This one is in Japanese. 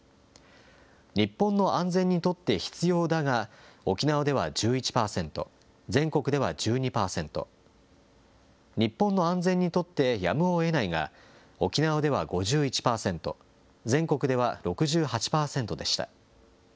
日本の安全にとって必要だが沖縄では１１％、全国では１２％、日本の安全にとってやむをえないが沖縄では１１％、全国では６８％でした。